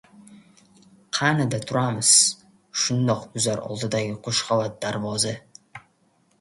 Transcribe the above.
— Qa’nida turamiz. Shundoq guzar oldidagi qo‘shqavat darvoza.